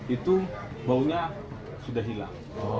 itu baunya sudah hilang